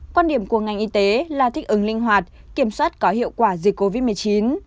quan điểm của ngành y tế là thích ứng linh hoạt kiểm soát có hiệu quả dịch covid một mươi chín